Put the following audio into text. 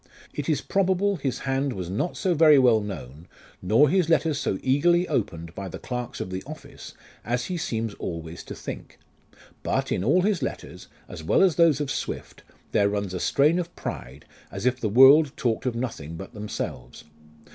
2 It is probable his hand was not so very well known, nor his letters so eagerly opened, by the clerks of the office, as he seems always to think ; but in all his letters, as well as in those of Swift, there runs a strain of pride, as if the world talked of nothing but themselves.